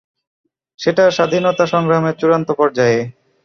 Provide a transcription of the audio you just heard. সেটা স্বাধীনতাসংগ্রামের চূড়ান্ত পর্যায়ে।